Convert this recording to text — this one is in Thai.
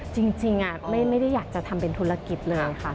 จริงไม่ได้อยากจะทำเป็นธุรกิจเลยค่ะ